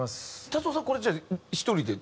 達郎さんこれじゃあ１人で？